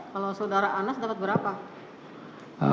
kalau saudara anas dapat berapa